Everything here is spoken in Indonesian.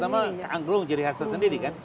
terutama angklung ciri khas tersendiri